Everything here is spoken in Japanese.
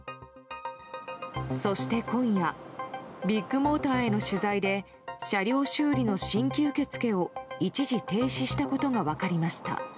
そして今夜ビッグモーターへの取材で車両修理の新規受付を一時停止したことが分かりました。